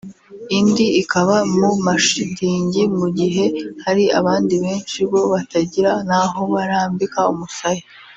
indi ikaba mu mashitingi mu gihe hari abandi benshi bo batagira n’aho barambika umusaya